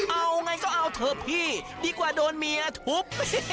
เอาไงก็เอาเถอะพี่ดีกว่าโดนเมียทุบ